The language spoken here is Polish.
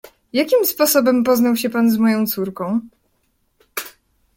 "Jakim sposobem poznał się pan z moją córką?"